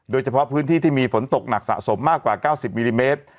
โดยเฉพาะพื้นที่ที่มีฝนตกหนักสะสมมากกว่า๙๐มิลลิเมตร